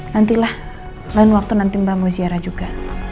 nantilah lain waktu nanti mbak mau ziarah juga